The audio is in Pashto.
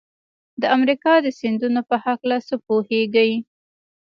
د امریکا د سیندونو په هلکه څه پوهیږئ؟